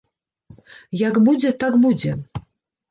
Як будзе, так будзе.